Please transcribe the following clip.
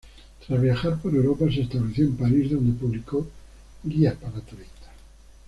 Tras viajar por Europa se estableció en París, donde publicó guías para turistas.